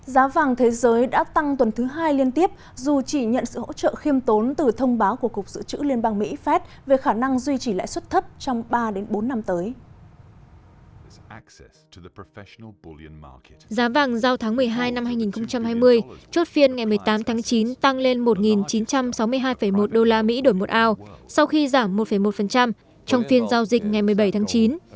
giá vàng thế giới đã tăng tuần thứ hai liên tiếp dù chỉ nhận sự hỗ trợ khiêm tốn từ thông báo của cục dự trữ liên bang mỹ fed về khả năng duy trì lại xuất thấp trong ba bốn năm tới